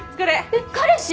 えっ彼氏！？